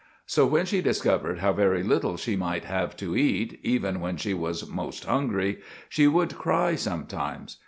So when she discovered how very little she might have to eat, even when she was most hungry, she would cry sometimes.